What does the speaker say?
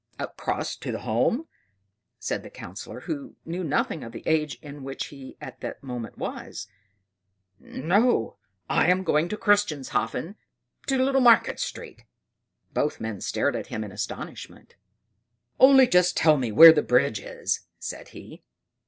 "Across to the Holme!" said the Councillor, who knew nothing of the age in which he at that moment was. "No, I am going to Christianshafen, to Little Market Street." Both men stared at him in astonishment. "Only just tell me where the bridge is," said he.